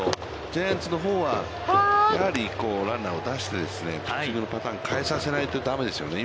ジャイアンツのほうは、やはりランナーを出して、ピッチングのパターンを変えさせないとだめですね。